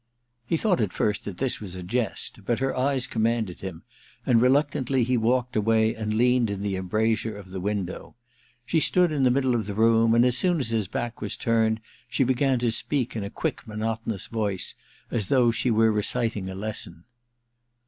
He thought at first that this was a jest, but her eyes commanded him, and reluctantly he walked away and leaned in the embrasure of the window. She stood in the middle of the room, and as soon as his back was turned she began to speak, in a quick monotonous voice, as though she were reciting a lesson.